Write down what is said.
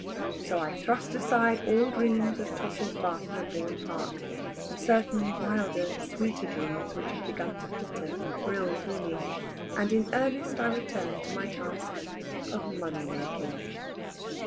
So I thrust aside all dreams of Tossil's Barton and Vaughan Park, and certain wilder sweeter dreams which have begun to flutter and thrill through me, and in earnest I return to my task of money making.